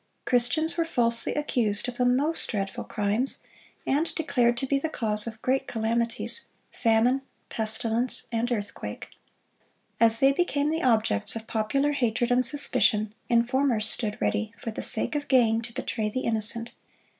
Christians were falsely accused of the most dreadful crimes, and declared to be the cause of great calamities—famine, pestilence, and earthquake. As they became the objects of popular hatred and suspicion, informers stood ready, for the sake of gain, to betray the innocent.